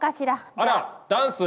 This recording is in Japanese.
あらダンス！